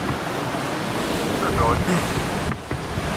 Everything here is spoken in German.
Minute für Deutschland.